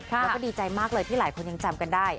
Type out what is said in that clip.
แล้วก็ดีใจมากเลยที่หลายคนยังจำกันได้